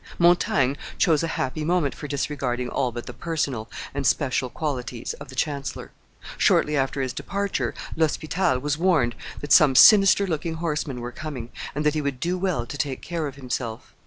Montaigne chose a happy moment for disregarding all but the personal, and special qualities of the chancellor; shortly after his departure, L'Hospital was warned that some sinister looking horsemen were coming, and that he would do well to take care of himself.